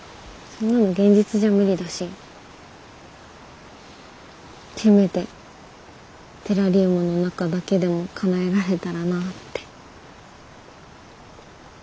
そんなの現実じゃ無理だしせめてテラリウムの中だけでもかなえられたらなって。